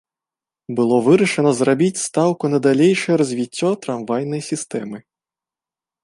Было вырашана зрабіць стаўку на далейшае развіццё трамвайнай сістэмы.